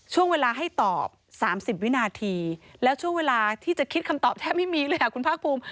ช่วงเวลาให้ตอบ๓๐วินาทีแล้วช่วงเวลาที่จะคิดคำตอบแทบไม่มีเลยค่ะคุณภาคภูมิ